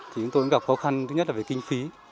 thì chúng tôi cũng gặp khó khăn thứ nhất là về kinh phí